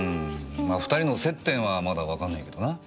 ま２人の接点はまだわかんないけどな。